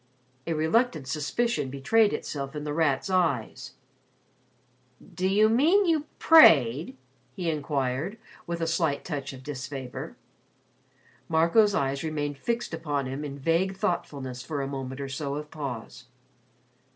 '" A reluctant suspicion betrayed itself in The Rat's eyes. "Do you mean you prayed?" he inquired, with a slight touch of disfavor. Marco's eyes remained fixed upon him in vague thoughtfulness for a moment or so of pause.